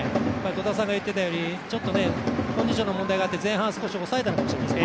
戸田さんが言っていたようにコンディションの問題があって、前半抑えたのかもしれません。